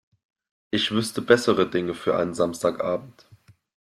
Ich wüsste bessere Dinge für einen Samstagabend.